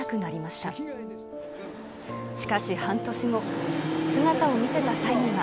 しかし、半年後、姿を見せた際には。